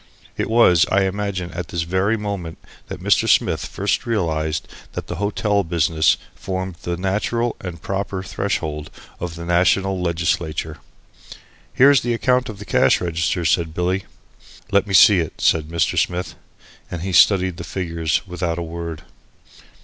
It was, I imagine, at this very moment that Mr. Smith first realised that the hotel business formed the natural and proper threshold of the national legislature. "Here's the account of the cash registers," said Billy. "Let me see it," said Mr. Smith. And he studied the figures without a word.